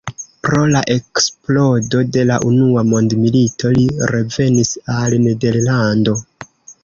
Pro la eksplodo de la Unua Mondmilito li revenis al Nederlando.